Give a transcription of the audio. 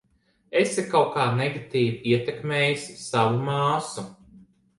Esi kaut kā negatīvi ietekmējusi savu māsu.